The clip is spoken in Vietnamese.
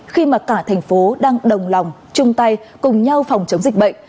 khi mà cả thành phố đang đồng lòng chung tay cùng nhau phòng chống dịch bệnh